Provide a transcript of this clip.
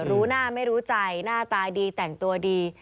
รู้หน้าไม่รู้ใจหน้าตาดีแต่งตัวดี